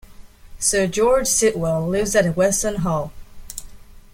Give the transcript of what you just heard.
Sir George Sitwell lives at Weston Hall.